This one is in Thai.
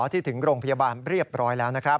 ที่ถึงโรงพยาบาลเรียบร้อยแล้วนะครับ